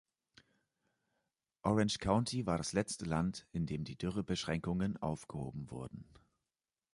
Orange County war das letzte Land, in dem die Dürrebeschränkungen aufgehoben wurden.